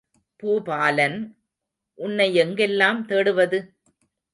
பூபாலன், உன்னை எங்கெல்லாம் தேடுவது?